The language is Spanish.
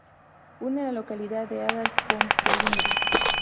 Une la localidad de Adal con Colindres.